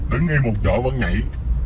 đứng yên một chỗ vẫn nhảy